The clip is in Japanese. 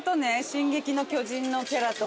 『進撃の巨人』のキャラとか。